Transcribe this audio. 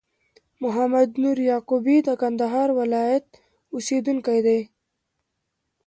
محمد نور یعقوبی د کندهار ولایت اوسېدونکی دي